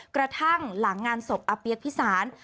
กระทั่งหลังงานศพอาเปี๊ยกพิสาร